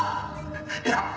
いや